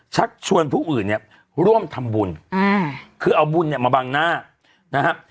ชักชวนผู้อื่นเนี่ยร่วมทำบุญอ่าคือเอาบุญเนี่ยมาบังหน้านะครับ